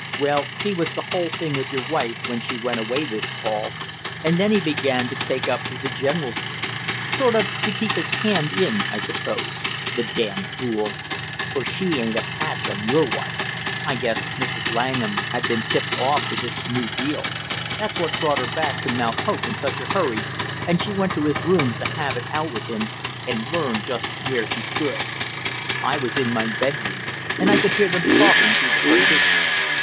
Well, he was the whole thing with your wife when she went away this fall and then he began to take up with the general's girl sort of to keep his hand in, I suppose the damn fool! For she ain't a patch on your wife. I guess Mrs. Langham had been tipped off to this new deal that's what brought her back to Mount Hope in such a hurry, and she went to his rooms to have it out with him and learn just where she stood. I was in my bedroom and I could hear them talking through the partition.